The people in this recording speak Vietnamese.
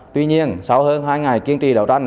tuy nhiên sau hơn hai ngày kiên trì đấu tranh